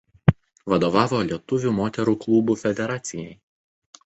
Vadovavo lietuvių moterų klubų federacijai.